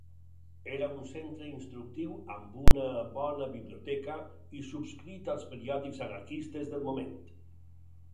Era un centre instructiu, amb una bona biblioteca i subscrit als periòdics anarquistes del moment.